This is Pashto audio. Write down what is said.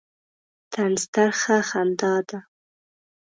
طنز ترخه خندا ده.